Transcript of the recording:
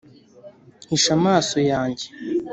hisha amaso yanjye